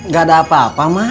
gak ada apa apa mah